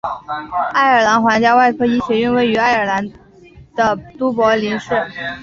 爱尔兰皇家外科医学院位于爱尔兰的都柏林市。